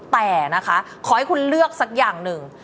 แต่นะคะขอให้คุณเลือกสักอย่างหนึ่ง